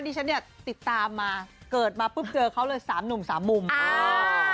ฉันเนี่ยติดตามมาเกิดมาปุ๊บเจอเขาเลยสามหนุ่มสามมุมอ่า